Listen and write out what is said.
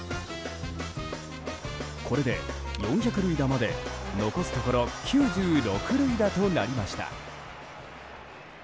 これで４００塁打まで残すところ９６塁打となりました。